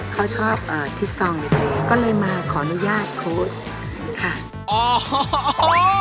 เขาชอบคริสตองโดเตยก็เลยมาขออนุญาตโค้ดค่ะ